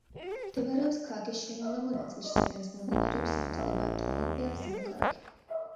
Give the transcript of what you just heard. მდებარეობს ქალაქის შემაღლებულ ნაწილში საიდანაც მომდინარეობს სახელწოდება ტოომპეა, ზემო ქალაქი.